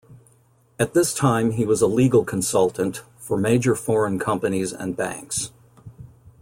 At this time he was a legal consultant for major foreign companies and banks.